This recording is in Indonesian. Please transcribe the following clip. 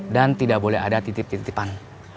dan tidak boleh ada titip titipan